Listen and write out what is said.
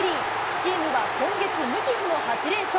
チームは今月、無傷の８連勝。